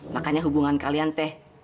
makanya hubungan kalian teh